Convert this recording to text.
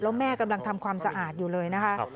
แล้วแม่กำลังทำความสะอาดอยู่เลยนะคะ